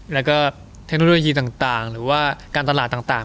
แล้วก็เทคโนโลยีต่างหรือว่าการตลาดต่าง